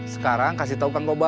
sekarang kasih tau kang kobang